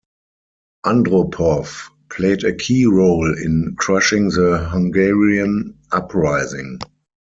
Andropov played a key role in crushing the Hungarian uprising.